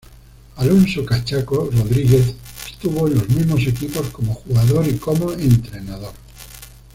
Alonso "Cachaco" Rodríguez estuvo en los mismos equipos como jugador y como entrenador.